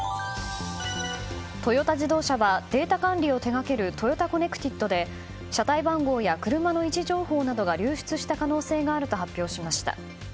トヨタ自動車はデータ管理を手掛けるトヨタコネクティッドで車体番号や車の位置情報などが流出した可能性があると発表しました。